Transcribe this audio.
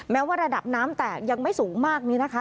แม้ว่าระดับน้ำแตกยังไม่สูงมากนี้นะคะ